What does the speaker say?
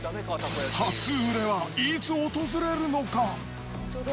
初売れはいつ訪れるのか。